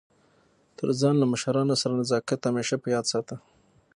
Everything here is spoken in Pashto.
تر ځان له مشرانو سره نزاکت همېشه په یاد ساته!